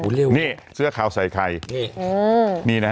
หนูเล่ววิวนี่เสื้อขาวใส่ไทยนี่นี่แหละ